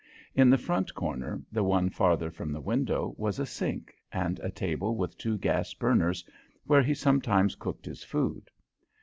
In the front corner, the one farther from the window, was a sink, and a table with two gas burners where he sometimes cooked his food.